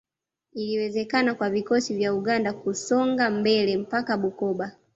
Iliwezekana kwa vikosi vya Uganda kusonga mbele mpaka Bukoba